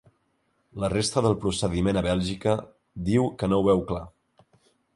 La resta del procediment a Bèlgica diu que no ho veu clar.